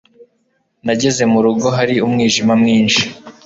nageze mu rugo hari umwijima mwinshi